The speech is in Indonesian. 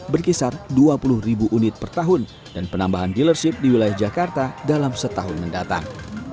berkisar dua puluh ribu unit per tahun dan penambahan dealership di wilayah jakarta dalam setahun mendatang